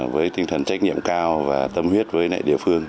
với tinh thần trách nhiệm cao và tâm huyết với nại địa phương